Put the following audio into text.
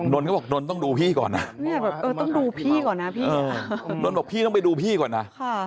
น้นก็บอกน้นต้องดูพี่ก่อนนะน้นบอกพี่ต้องไปดูพี่ก่อนนะ